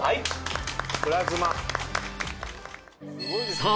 さあ